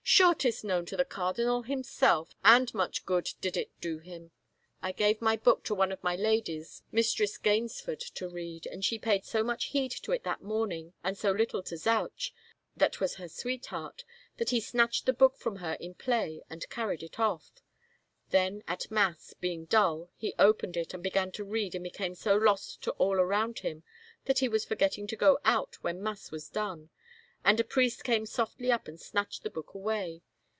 " Sure, 'tis known to the cardinal himself, and much good did it do him ! I gave my book to one of my ladies, Mistress Gaynesford, to read, and she paid so much heed to it that morning and so little to Zouch, that was her sweetheart, that he snatched the book from her in play and carried it off. Then at mass, being dull, he opened it and began to read and became so lost to all arotmd him that he was forgetting to go out when mass was done, and a priest came softly up and snatched the book away.